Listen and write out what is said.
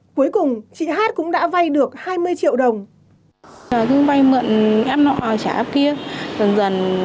cuối cùng chị hát cũng đã vay được hai mươi triệu đồng